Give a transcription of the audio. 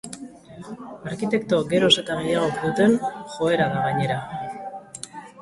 Arkitekto geroz eta gehiagok duten joera da, gainera.